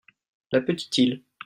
La petite île.